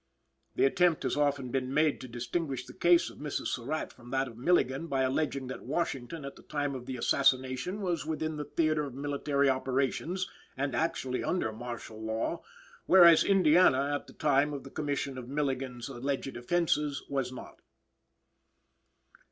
The attempt has often been made to distinguish the case of Mrs. Surratt from that of Milligan by alleging that Washington at the time of the assassination was within the theatre of military operations, and actually under martial law, whereas Indiana at the time of the Commission of Milligan's alleged offenses was not.